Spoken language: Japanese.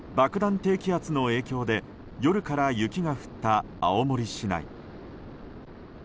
低気圧の影響で夜から雪が降った青森市内。